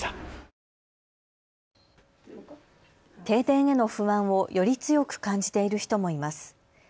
停電への不安をより強く感じている人もいます。